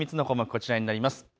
こちらになります。